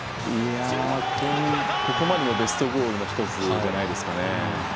ここまでのベストゴールの１つじゃないですかね。